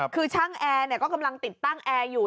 คือช่างแอร์ก็กำลังติดตั้งแอร์อยู่